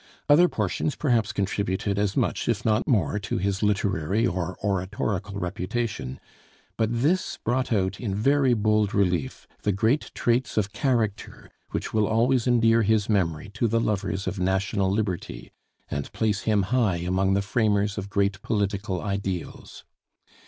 Other portions perhaps contributed as much if not more to his literary or oratorical reputation; but this brought out in very bold relief the great traits of character which will always endear his memory to the lovers of national liberty, and place him high among the framers of great political ideals.